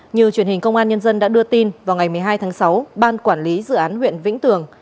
như truyền hình công an nhân dân đã đưa tin vào ngày một mươi hai tháng sáu ban quản lý dự án huyện vĩnh tường